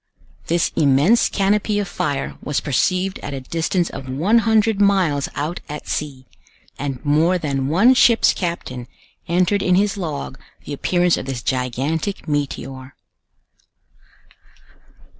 This immense canopy of fire was perceived at a distance of one hundred miles out at sea, and more than one ship's captain entered in his log the appearance of this gigantic meteor.